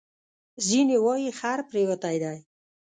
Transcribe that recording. ځینې وایي خر پرېوتی دی.